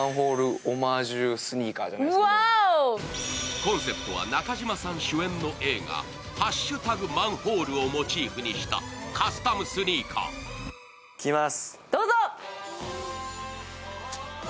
コンセプトは中島さん主演の映画、「＃マンホール」をモチーフにしたカスタムスニーカー。いきまーす。